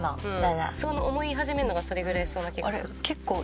そう思い始めるのがそれぐらいそうな気がする。